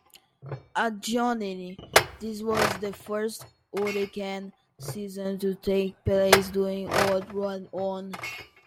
Additionally, this was the first hurricane season to take place during World War One.